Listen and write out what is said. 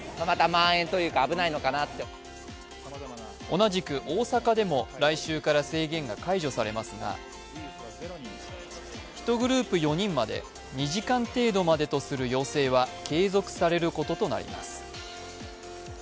同じく大阪でも来週から制限が解除されますが１グループ４人まで、２時間程度までとする要請は継続されることとなります。